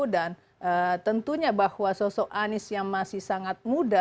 dan tentunya bahwa sosok anies yang masih sangat muda